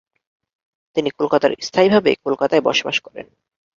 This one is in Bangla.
তিনি কলকাতার স্থায়ীভাবে কলকাতায় বসবাস করেন।